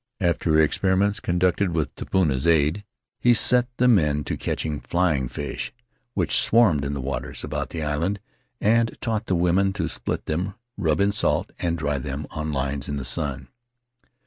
After experiments conducted with Tupuna's aid he set the men to catching flying fish, which swarmed in the waters about the island, and taught the women to split them, rub in salt, and dry them on lines in the sun.